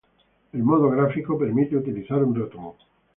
El modo gráfico permite utilizar un ratón